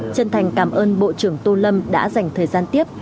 chân thành cảm ơn bộ trưởng tô lâm đã dành thời gian tiếp